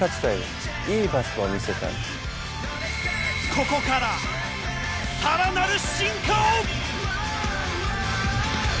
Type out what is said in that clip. ここから更なる進化を。